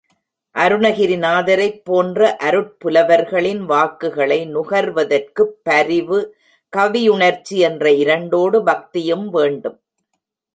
அருணகிரிநாதரைப் போன்ற அருட் புலவர்களின் வாக்குகளை நுகர்வதற்குப் பரிவு, கவியுணர்ச்சி என்ற இரண்டோடு பக்தியும் வேண்டும்.